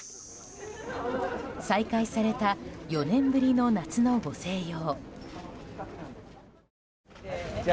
再開された４年ぶりの夏のご静養。